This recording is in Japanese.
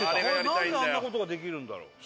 何であんなことができるんだろう